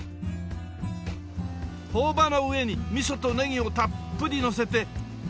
朴葉の上にみそとネギをたっぷりのせて。